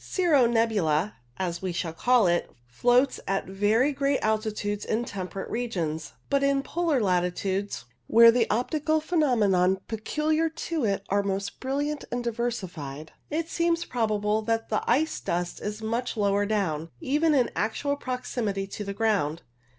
Cirro nebula, as we shall call it, floats at very great altitudes in temperate regions ; but in polar latitudes, where the optical phenomena peculiar to it are most brilliant and diversified, it seems probable that the ice dust is much lower down, even in actual proximity to the ground.